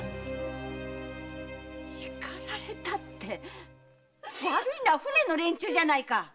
「しかられた」って悪いのは舟の連中じゃないか！